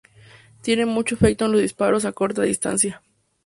Tiene mucho efecto en los disparos a corta distancia.